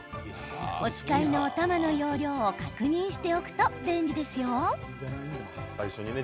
お使いのおたまの容量を確認しておくと便利ですよ。